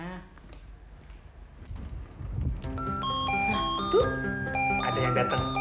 ada yang datang kita kita kalau kalah oke oke